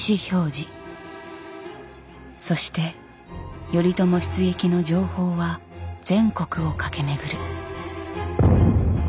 そして頼朝出撃の情報は全国を駆け巡る。